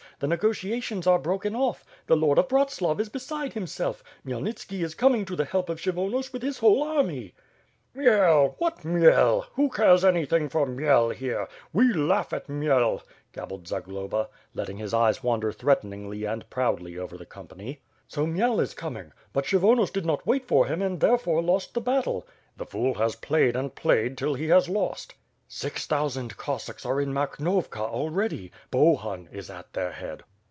The negotiations are broken off. The Lord of Bratslav is beside himself. Khmyel nitski is coming to the help of Kshyvonos with his whole army." "Khmyel! What Khmyel?^ Who cares anything for Khmyel here. We laugh at Khmyel," gabbled Zagloba, let ting his eyes wander threateningly and proudly over the com pany. "So Khmyel is coming! But Kshyvonos did not wait for him and therefore lost the battle." .... "The fool has played and played till he has lost." Six thousand Cossacks are in Makhnovkft already. Bohun is at their head."